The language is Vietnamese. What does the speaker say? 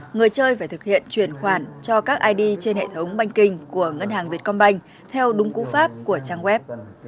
người chơi phải thực hiện chuyển khoản cho các id trên hệ thống banh kinh của ngân hàng việt công bành theo đúng cú pháp của trang web